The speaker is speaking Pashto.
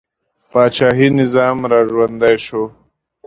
پاچاهي نظام را ژوندی شو.